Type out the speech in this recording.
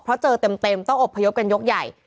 เพราะเจอเต็มต้องอบพยพกันยกใหญ่